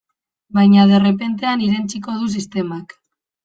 Baina derrepentean irentsiko du sistemak.